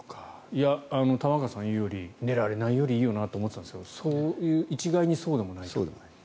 玉川さんが言うように寝られないよりいいよなって思っていたんですけどそういう一概にそうでもないと。